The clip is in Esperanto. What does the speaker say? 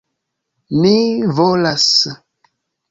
Ni volas.